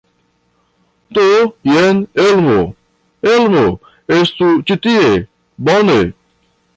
Do, jen Elmo. Elmo, estu ĉi tie! Bone.